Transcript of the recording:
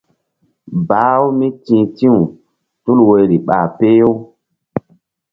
Bah-u míti̧h ti̧w tul woyri ɓa peh-u.